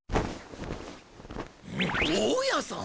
大家さん！